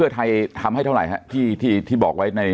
แล้วไทยทำให้เท่าไหร่ครับที่บอกไว้ใน